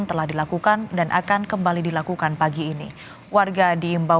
emang musim does horn jadi kodok atau di wapreosa